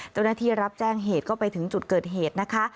เจ้าหน้าที่รับแจ้งเหตุก็ไปถึงจุดเกิดเหตุนะคะ